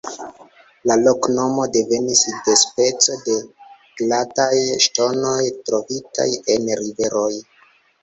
La loknomo devenis de speco de glataj ŝtonoj trovitaj en riveroj.